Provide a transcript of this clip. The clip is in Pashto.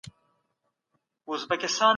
انسان کولای سي د طبیعت مظاهر درک کړي.